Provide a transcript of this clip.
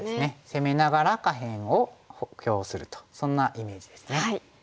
攻めながら下辺を補強するとそんなイメージですね。